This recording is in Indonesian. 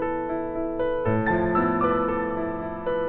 makasih ya udah mau jemput